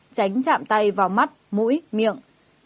tránh chạm tay vào mắt mũi miệng